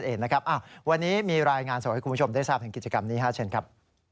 วันนี้มีรายงานสดให้คุณผู้ชมได้ทราบถึงกิจกรรมนี้เชิญครับ